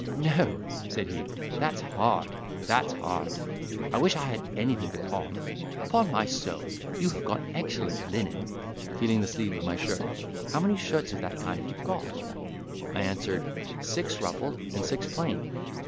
"No!" said he, "that's hard—that's hard! I wish I had anything to pawn—upon my soul, you have got excellent linen (feeling the sleeve of my shirt); how many shirts of that kind have you got?" I answered, "Six ruffled, and six plain."